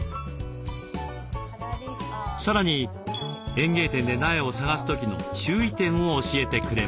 さらに園芸店で苗を探す時の注意点を教えてくれました。